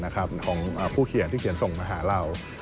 ของผู้เขียนที่เขียนส่งมาหาเรา